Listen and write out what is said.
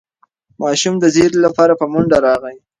ماشوم د زېري لپاره په منډه راغی.